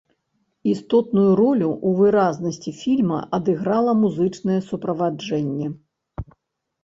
Істотную ролю ў выразнасці фільма адыграла музычнае суправаджэнне.